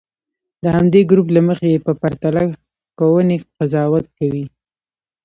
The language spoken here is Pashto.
د همدې ګروپ له مخې یې په پرتله کوونې قضاوت کوي.